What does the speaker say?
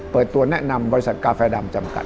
เปิดตัวแนะนำบริษัทกาแฟดำจำกัด